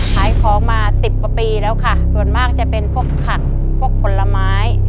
ขายของมาสิบกว่าปีแล้วค่ะส่วนมากจะเป็นพวกผักพวกผลไม้